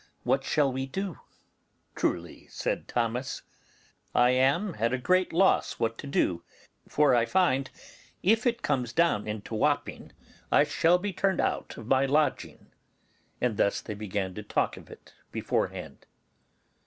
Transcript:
What shall we do?' 'Truly,' says Thomas, 'I am at a great loss what to do, for I find if it comes down into Wapping I shall be turned out of my lodging.' And thus they began to talk of it beforehand.